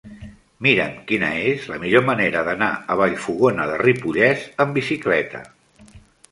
Mira'm quina és la millor manera d'anar a Vallfogona de Ripollès amb bicicleta.